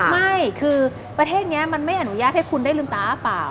ไม่คือประเทศนี้มันไม่อนุญาตให้คุณได้ลืมตาอ้าเปล่า